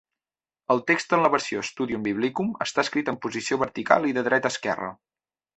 El text en la versió Studium Biblicum està escrit en posició vertical i de dreta a esquerra.